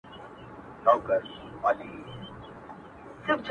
ماته دي د سر په بيه دوه جامه راکړي دي ـ